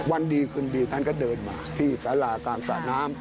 วันดีคืนดีท่านก็เดินมาที่สารากลางสระน้ำ